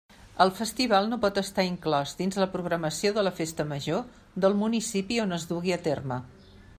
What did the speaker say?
El festival no pot estar inclòs dins la programació de la festa major del municipi on es dugui a terme.